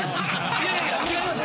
いやいや違います。